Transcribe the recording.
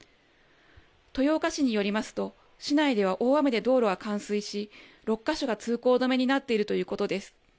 豊岡市によりますと市内では大雨で道路が冠水し６か所が通行止めになっているということです。